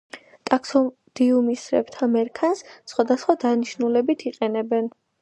ტაქსოდიუმისებრთა მერქანს სხვადასხვა დანიშნულებით იყენებენ.